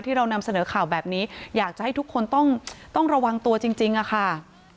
เรานำเสนอข่าวแบบนี้อยากจะให้ทุกคนต้องระวังตัวจริงอะค่ะ